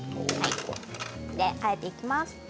あえていきます。